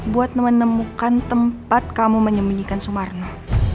buat menemukan tempat kamu menyembunyikan sumarno